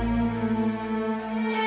nanti kita berdua bisa berdua